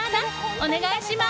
お願いします。